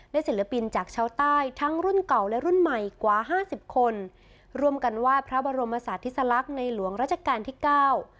ศิลปินจากชาวใต้ทั้งรุ่นเก่าและรุ่นใหม่กว่าห้าสิบคนร่วมกันวาดพระบรมศาสติสลักษณ์ในหลวงราชการที่เก้า